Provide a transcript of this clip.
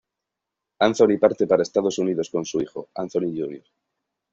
Anthony parte para Estados Unidos con su hijo, Anthony Jr.